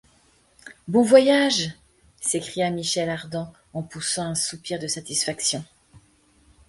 Bon voyage ! s’écria Michel Ardan en poussant un soupir de satisfaction.